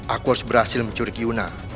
aku harus berhasil mencurig kiuna